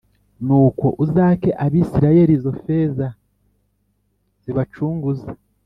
Nuko uzake Abisirayeli izo feza zibacunguza